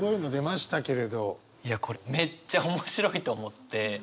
いやこれめっちゃ面白いと思って。